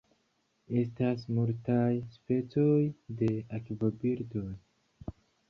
Estas multaj specoj de akvobirdoj.